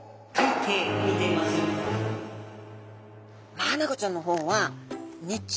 マアナゴちゃんの方は日中ですね